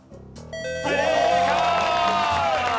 正解！